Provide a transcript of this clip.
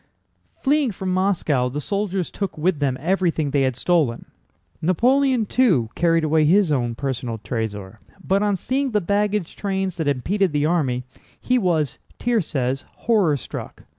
Fleeing from Moscow the soldiers took with them everything they had stolen. Napoleon, too, carried away his own personal trésor, but on seeing the baggage trains that impeded the army, he was (Thiers says) horror struck.